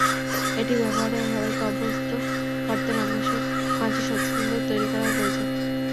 এটি ব্যবহারে সবাইকে অভ্যস্ত করতে মানুষের মাঝে সচেতনতা তৈরি করাও প্রয়োজন।